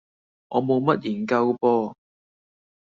我冇乜研究噃